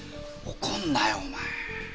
怒るなよお前！